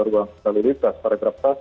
ruang lalu lintas paragraf